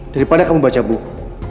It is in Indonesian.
daripada kamu baca buku